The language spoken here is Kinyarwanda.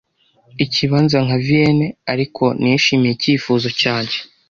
ikibanza nka Vienne ariko nishimiye icyifuzo cyanjye